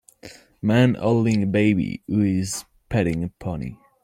A man holding a baby who is petting a pony.